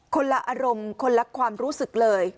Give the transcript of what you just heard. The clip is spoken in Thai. ละอารมณ์คนละความรู้สึกเลย